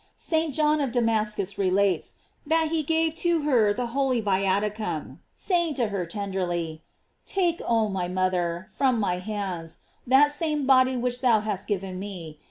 St. John of Damascus relates, that he gave to her the holy viaticum, saying to her, tenderly: Take, oh my mother, from my hands, that same body which thou hast given me.